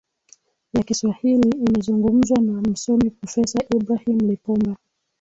ya kiswahili imezungumza na msomi profesa ibrahim lipumba